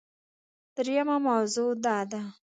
دریمه موضوع دا ده